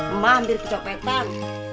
emak hampir kecopetan